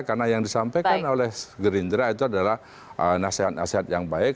karena yang disampaikan oleh gerindra itu adalah nasihat nasihat yang baik